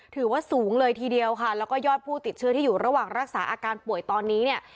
ถือว่าสูงเลยทีเดียวค่ะแล้วก็ยอดผู้ติดเชื้อที่อยู่ระหว่างรักษาอาการป่วยตอนนี้เนี่ย